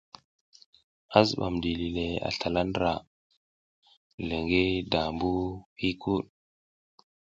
A zibam dili le a slala ndra le ngi daʼmbu huykuɗ.